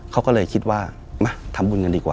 เขาก็เลยคิดว่ามาทำบุญกันดีกว่า